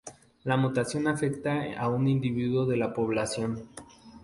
La mutación afecta a un individuo de la población.